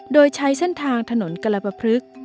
โดยใช้เส้นทางถนนกระละปะพฤกษ์